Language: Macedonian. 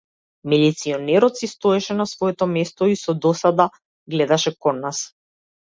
Милиционерот си стоеше на своето место и со досада гледаше кон нас.